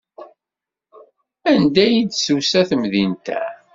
Anda ay d-tusa temdint-a?